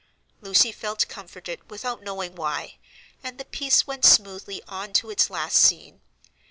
Lucy felt comforted without knowing why, and the piece went smoothly on to its last scene.